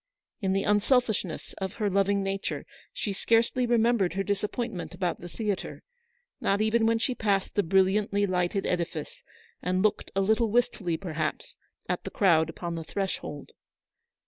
In the unselfishness of her loving nature she scarcely remembered her disappointment about the theatre : not even when she passed the brilliantly lighted 94 Eleanor's victory. edifice, and looked, a little wistfully perhaps, at the crowd upon the threshold.